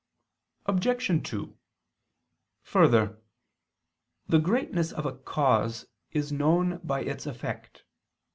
Obj. 2: Further, the greatness of a cause is known by its effect.